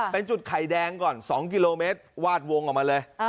เป็นจุดไข่แดงก่อน๒กิโลเมตรวาดวงออกมาเลย